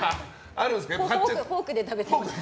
フォークで食べてます。